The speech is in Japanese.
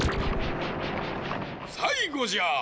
さいごじゃ！